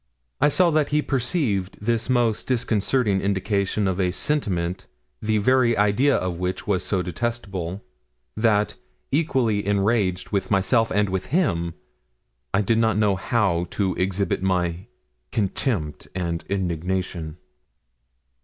I saw that he perceived this most disconcerting indication of a sentiment the very idea of which was so detestable, that, equally enraged with myself and with him, I did not know how to exhibit my contempt and indignation.